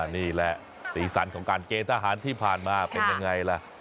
นี่แหละสีสันของการเกณฑ์ทหารที่ผ่านมาเป็นยังไงล่ะ